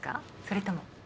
それとも。